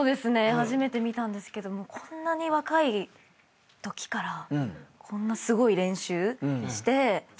初めて見たんですけどもこんなに若いときからこんなすごい練習して。